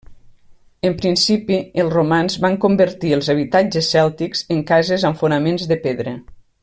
En principi, els romans van convertir els habitatges cèltics en cases amb fonaments de pedra.